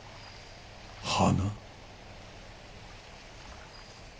花？